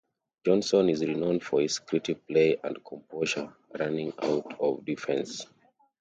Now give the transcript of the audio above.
Johnson is renowned for his creative play and composure running out of defence.